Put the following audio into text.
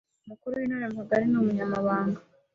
Umukuru w’Intore mu Kagari ni Umunyamabanga